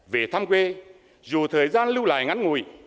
về thăm quê dù thời gian lưu lại ngắn ngủi